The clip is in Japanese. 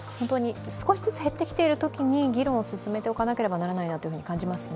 少しずつ減ってきているときに議論を進めておかなければならないと思いますね。